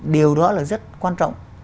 điều đó là rất quan trọng